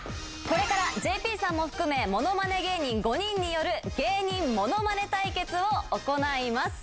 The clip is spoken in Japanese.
これからＪＰさんも含め、ものまね芸人５人による芸人ものまね対決を行います。